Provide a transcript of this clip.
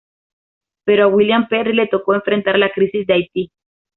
Pero a William Perry le tocó enfrentar la crisis de Haití.